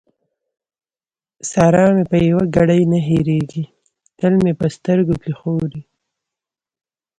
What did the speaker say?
سارا مې په يوه ګړۍ نه هېرېږي؛ تل مې په سترګو کې ښوري.